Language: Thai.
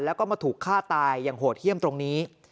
แล้วก็มาถูกฆ่าตายอย่างโหดเยี่ยมตรงนี้